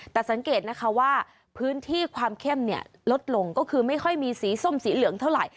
แต่สังเกตนะคะว่าพื้นที่ความเข้มเนี่ยลดลงก็คือไม่ค่อยมีสีส้มสีเหลืองเท่าไหร่